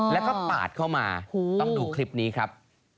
แล้วก็ปาดเข้ามาต้องดูคลิปนี้ครับ